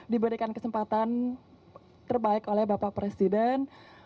diberikan kesempatan terbaik oleh bapak presiden